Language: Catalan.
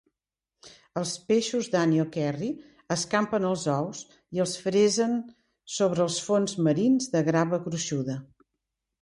Els peixos Danio Kerri escampen els ous i els fresen sobre els fons marins de grava gruixuda.